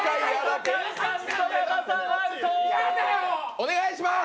お願いします！